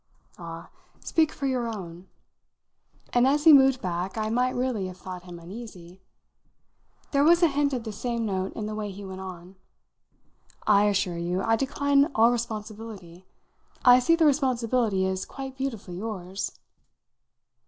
"Ah, speak for your own!" and as he moved back I might really have thought him uneasy. There was a hint of the same note in the way he went on: "I assure you I decline all responsibility. I see the responsibility as quite beautifully yours."